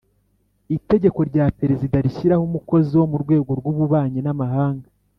itegeko rya perezida rishyiraho umukozi wo mu rwego rw ububanyi n amahanga